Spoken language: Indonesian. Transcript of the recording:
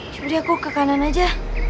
jadi aku ke kanan aja